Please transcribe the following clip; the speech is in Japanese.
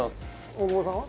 大久保さんは？